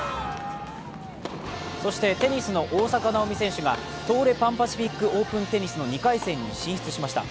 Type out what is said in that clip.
テニスの大坂なおみ選手が東レ・パン・パシフィックオープンテニスの２回戦に進出しました。